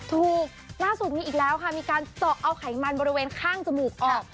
ล่าสุดมีอีกแล้วค่ะมีการเจาะเอาไขมันบริเวณข้างจมูกออก